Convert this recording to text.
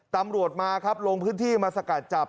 ตำรวจมาครับลงพื้นที่มาสกัดจับ